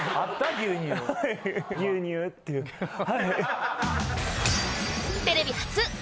牛乳っていうはい。